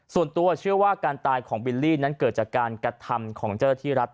ส่วนตัวเชื่อว่าการตายของบิลลี่นั้นเกิดจากการกระทำของเจ้าหน้าที่รัฐ